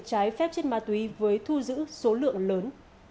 trái phép chất ma túy với thu giữ số lượng lớn